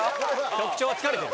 局長は疲れてる。